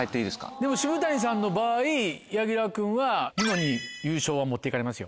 でも渋谷さんの場合柳楽君はニノに優勝は持って行かれますよ。